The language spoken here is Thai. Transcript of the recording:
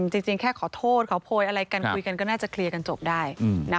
จริงแค่ขอโทษขอโพยอะไรกันคุยกันก็น่าจะเคลียร์กันจบได้